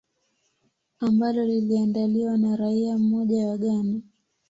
ambalo liliandaliwa na raia mmoja wa ghana